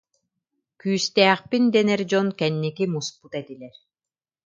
Күүстээхпин дэнэр дьон кэнники муспут этилэр